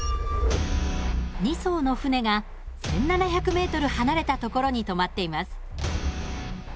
２そうの船が１，７００ｍ離れた所にとまっています。